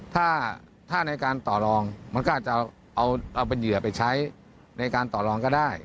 ถ้าในการต่อรองมันก็อาจจะเอาเป็นเหยื่อไปใช้ในการต่อรองก็ได้